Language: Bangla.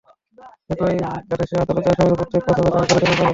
একই আদেশে আদালত আসামিদের প্রত্যেককে পাঁচ হাজার টাকা করে জরিমানা করেন।